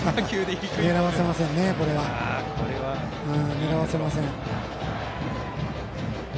狙わせませんね。